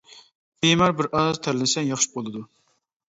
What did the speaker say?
بىمار بىر ئاز تەرلىسە ياخشى بولىدۇ.